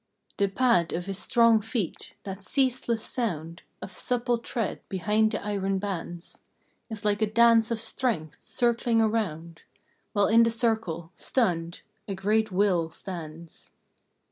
The pad of his strong feet, that ceaseless sound Of supple tread behind the iron bands, Is like a dance of strength circling around, While in the circle, stunned, a great will stands.